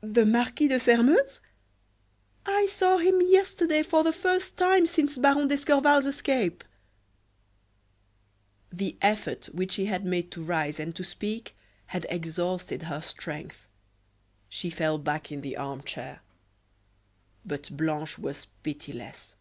"The Marquis de Sairmeuse! I saw him yesterday for the first time since Baron d'Escorval's escape." The effort which she had made to rise and to speak had exhausted her strength. She fell back in the armchair. But Blanche was pitiless.